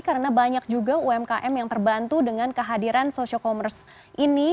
karena banyak juga umkm yang terbantu dengan kehadiran social commerce ini